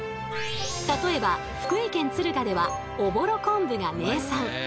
例えば福井県敦賀ではおぼろ昆布が名産。